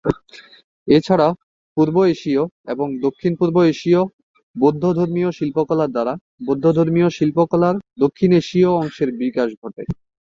এছাড়া, পূর্ব এশীয় এবং দক্ষিণপূর্ব এশীয় বৌদ্ধধর্মীয় শিল্পকলার দ্বারা বৌদ্ধধর্মীয় শিল্পকলার দক্ষিণ এশীয় অংশের বিকাশ ঘটে।